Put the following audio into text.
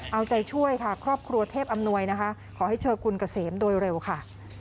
เอาใจช่วยค่ะครอบครัวเทพอำนวยนะคะขอให้เจอคุณเกษมโดยเร็วค่ะ